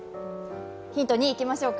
ヒント２いきましょうか。